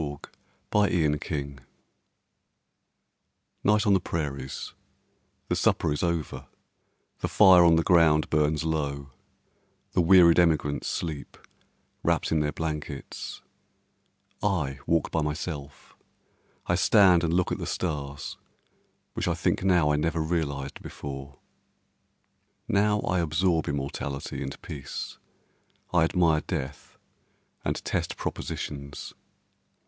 Night on the Prairies Night on the prairies, The supper is over, the fire on the ground burns low, The wearied emigrants sleep, wrapt in their blankets; I walk by myself—I stand and look at the stars, which I think now never realized before. Now I absorb immortality and peace, I admire death and test propositions.